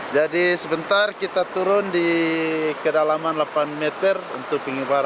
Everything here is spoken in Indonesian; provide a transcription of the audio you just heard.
jadi sebentar kita turun di kedalaman delapan meter untuk pengibaran